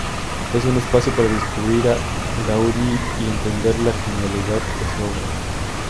Es un espacio para descubrir a Gaudí y entender la genialidad de su obra.